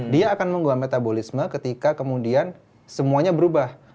dia akan menggugah metabolisme ketika kemudian semuanya berubah